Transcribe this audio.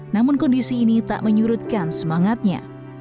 namun kondisi ini tak menyurutkan semangatnya